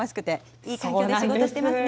いい環境で仕事してますね。